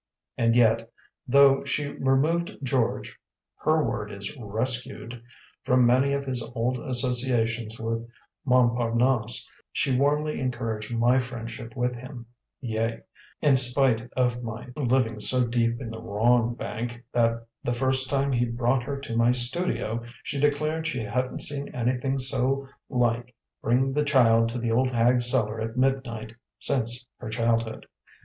And yet, though she removed George (her word is "rescued") from many of his old associations with Montparnasse, she warmly encouraged my friendship with him yea, in spite of my living so deep in the wrong bank that the first time he brought her to my studio, she declared she hadn't seen anything so like Bring the child to the old hag's cellar at midnight since her childhood.